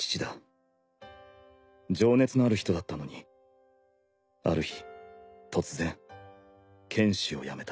情熱のある人だったのにある日突然剣士をやめた